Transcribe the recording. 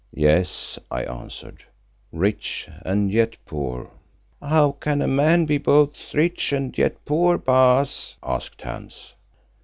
"Yes," I answered, "rich and yet poor." "How can a man be both rich and yet poor, Baas?" asked Hans.